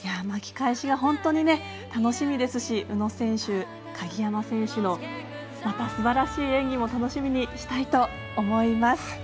巻き返しが本当に楽しみですし宇野選手、鍵山選手のすばらしい演技も楽しみにしたいと思います。